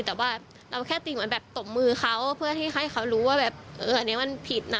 แต่ว่าเราแค่ตีเหมือนแบบตบมือเขาเพื่อให้เขารู้ว่าแบบเอออันนี้มันผิดนะ